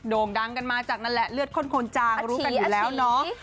่งดังกันมาจากนั่นแหละเลือดข้นคนจางรู้กันอยู่แล้วเนาะ